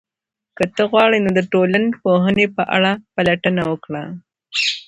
که ته وغواړې، نو د ټولنپوهنې په اړه پلټنه وکړه.